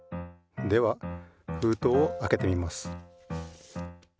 ではふうとうをあけてみます。